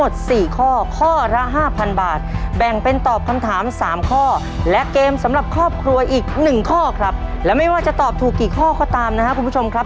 ดังนั้นในรอบนี้นะครับ